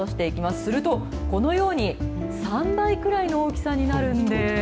すると、このように３倍くらいの大きさになるんです。